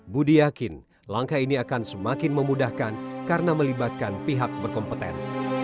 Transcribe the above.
budi yakin langkah ini akan semakin memudahkan karena melibatkan pihak berkompeten